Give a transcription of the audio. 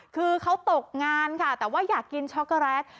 คือเขาตกงานค่ะแต่ว่าอยากกินช็อกโกแลต